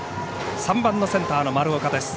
３番のセンター丸岡です。